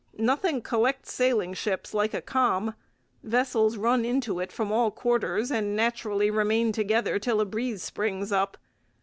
Nothing collects sailing ships like a calm; vessels run into it from all quarters and naturally remain together till the breeze springs up.